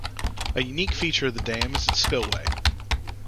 A unique feature of the dam is its spillway.